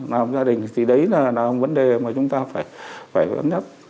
làm gia đình thì đấy là vấn đề mà chúng ta phải cân nhắc